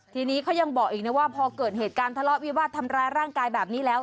ทีนี้เขายังบอกอีกนะว่าพอเกิดเหตุการณ์ทะเลาะวิวาสทำร้ายร่างกายแบบนี้แล้ว